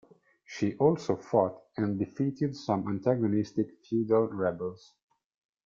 She also fought and defeated some antagonistic feudal rebels.